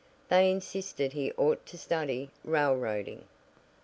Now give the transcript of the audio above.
They insisted he ought to study "railroading."